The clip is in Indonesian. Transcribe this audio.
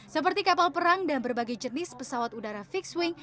seperti kapal perang dan berbagai jenis pesawat udara fixed wing